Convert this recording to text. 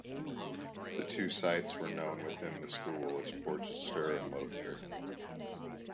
The two sites were known within the school as "Porchester" and "Lowther".